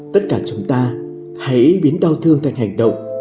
tất cả chúng ta hãy biến đau thương thành hành động